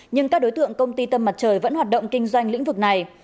nhưng các đối tượng công ty tâm mặt trời vẫn hoạt động kinh doanh lĩnh vực này